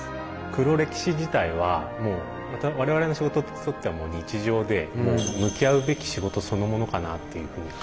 黒歴史自体は我々の仕事にとっては日常で向き合うべき仕事そのものかなっていうふうに考えてます。